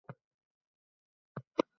Nima qilyapsan? — deb so‘radi